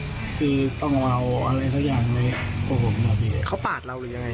คือต้องเอาอะไรซักอย่างอ่อนี่ค่ะเขาปาดเราอย่างไร